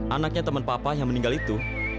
anaknya teman papa yang meninggal itu